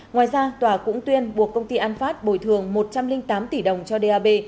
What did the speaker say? ngoài ra tòa cũng tuyên buộc công ty an phát bồi thường một trăm linh tám tỷ đồng cho đ a b